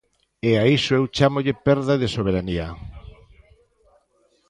E a iso eu chámolle perda de soberanía.